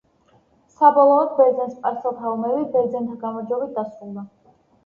საბოლოოდ, ბერძენ-სპარსელთა ომები ბერძენთა გამარჯვებით დასრულდა.